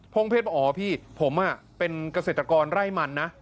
พงเพชรอ๋อพี่ผมอ่ะเป็นเกษตรกรไล่มันนะ